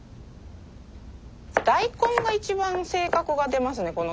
大根が一番性格が出ますね